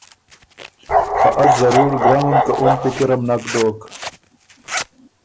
خه از ضرور ګرمم که اُن پِکرم نک دوک۔